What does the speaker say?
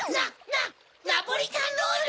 ナポリタンロール？